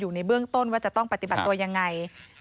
ในเบื้องต้นว่าจะต้องปฏิบัติตัวยังไง